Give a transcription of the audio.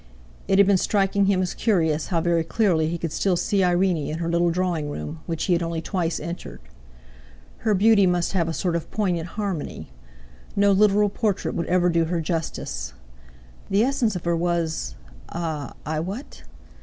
It had been striking him as curious how very clearly he could still see Irene in her little drawing room which he had only twice entered. Her beauty must have a sort of poignant harmony! No literal portrait would ever do her justice; the essence of her was—ah I what?...